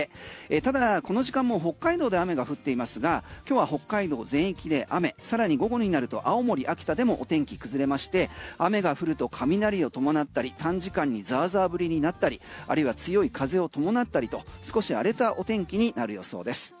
ただこの時間も北海道で雨が降っていますが今日は北海道全域で雨さらに午後になると青森、秋田でもお天気崩れまして雨が降ると雷を伴ったり短時間にザーザー降りになったりあるいは強い風を伴ったりと少し荒れたお天気になる予想です。